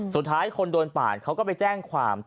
สุดท้ายคนโดนปาดเขาก็ไปแจ้งความ